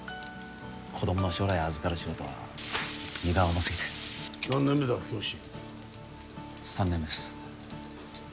子どもの将来を預かる仕事は荷が重すぎて何年目だ教師３年目です